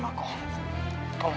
nara jumbo mau kemana